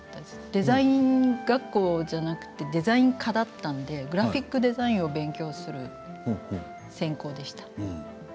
デザイン学校じゃなくてデザイン科だったのでグラフィックデザインを勉強する専攻でした。